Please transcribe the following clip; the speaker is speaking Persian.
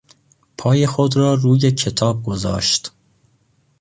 پای خود را روی کتاب گذاشت.